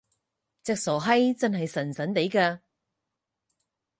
隻傻閪真係神神地嘅！